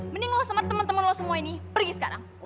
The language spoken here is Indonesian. mending lo sama teman teman lo semua ini pergi sekarang